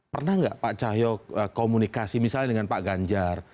pernah nggak pak cahyok komunikasi misalnya dengan pak ganjar